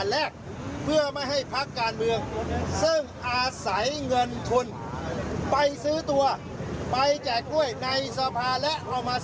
และกลับมาลงทุนกับตัวเองที่จ่ายเงินไป